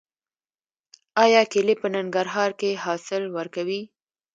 آیا کیلې په ننګرهار کې حاصل ورکوي؟